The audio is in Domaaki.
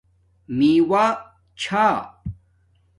میوہ چھا